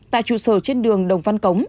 tại trụ sở trên đường đồng văn cống